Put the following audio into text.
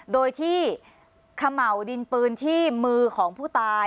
โดยที่เขม่าวดินปืนที่มือของผู้ตาย